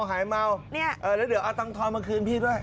แล้วเดี๋ยวเอาตังค์ท้อนมาคืนพี่ด้วย